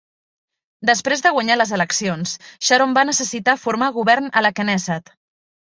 Després de guanyar les eleccions, Sharon va necessitar formar govern a la Kenésset.